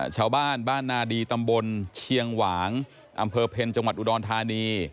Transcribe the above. ชาวบ้านบ้านนาดีตำบลเชียงหวางอำเภอเพ็ญจังหวัดอุดรธานี